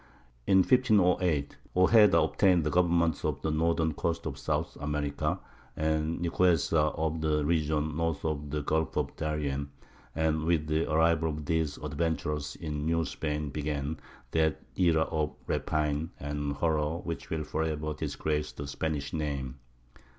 In 1508 Ojeda obtained the government of the northern coast of South America, and Nicuesa of the region north of the Gulf of Darien; and with the arrival of these adventurers in New Spain began that era of rapine and horror which will forever disgrace the Spanish name.